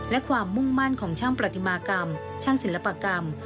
และความมุ่งมั่นของช่างประติมากรรมช่างศิลปกรรม